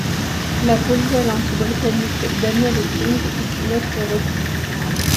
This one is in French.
La polyvalente Britannique Danielle King est une autre recrue.